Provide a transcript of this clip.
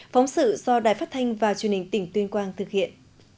phóng sự do đài phát thanh và truyền hình tỉnh tuyên quang thực hiện